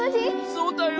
そうだよ。